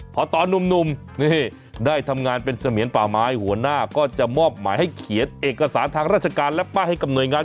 พอตอนหนุ่มนี่ได้ทำงานเป็นเสมียนป่าไม้หัวหน้าก็จะมอบหมายให้เขียนเอกสารทางราชการและป้ายให้กับหน่วยงาน